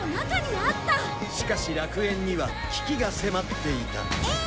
しかし楽園には危機が迫っていた